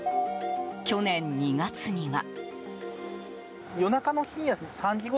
去年２月には。